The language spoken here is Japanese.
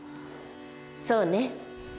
そうね。